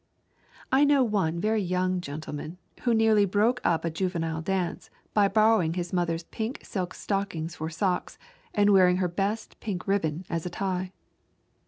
I know one very young gentleman who nearly broke up a juvenile dance by borrowing his mother's pink silk stockings for socks and wearing her best pink ribbon as a tie.